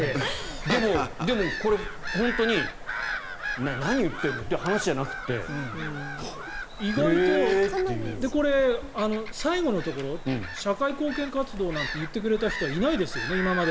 でもこれ本当に何を言っているのという話じゃなくてこれ、最後のところ社会貢献活動なんて言ってくれた人はいないですよね、今まで。